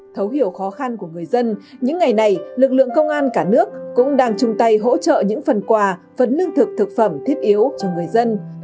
thấu hiểu khó khăn của người dân những ngày này lực lượng công an cả nước cũng đang chung tay hỗ trợ những phần quà phần lương thực thực phẩm thiết yếu cho người dân